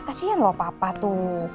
kasian lo papa tuh